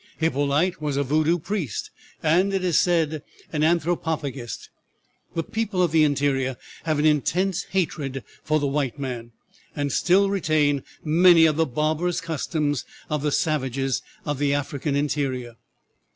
Hyppolite was a Voodoo priest and, it is said, an anthropophagist. The people of the interior have an intense hatred for the white man, and still retain many of the barbarous customs of the savages of the African interior.